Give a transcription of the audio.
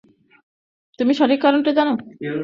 তুমি সঠিক কারণটি জান।